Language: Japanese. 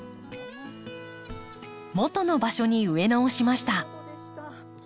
元の場所に植え直しました。